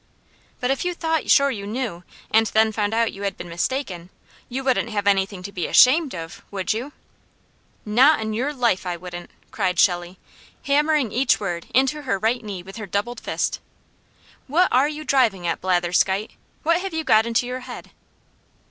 "But if you thought sure you knew, and then found out you had been mistaken, you wouldn't have anything to be ASHAMED of, would you?" "Not on your life I wouldn't!" cried Shelley, hammering each word into her right knee with her doubled fist. "What are you driving at, Blatherskite? What have you got into your head?"